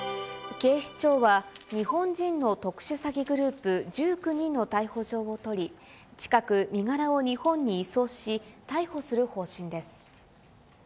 警視庁は、日本人の特殊詐欺グループ１９人の逮捕状を取り、近く、身柄を日本に移送し、逮捕する方針です。